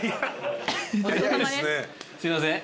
すいません。